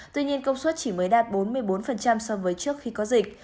tuy nhiên công suất chỉ mới đạt bốn mươi bốn so với trước khi có dịch